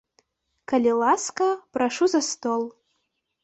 Калі ласка, прашу за стол.